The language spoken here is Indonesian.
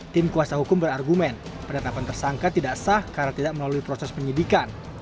tim kuasa hukum berargumen penetapan tersangka tidak sah karena tidak melalui proses penyidikan